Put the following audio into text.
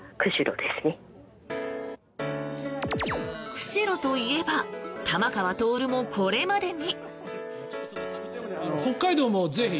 釧路といえば玉川徹もこれまでに。